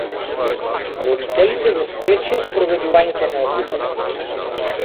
Родителите го спречија спроведувањето на одлуката.